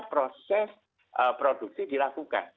proses produksi dilakukan